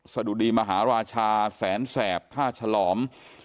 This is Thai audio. สะดุดีมหาราชาแสนแสบท่าฉลอม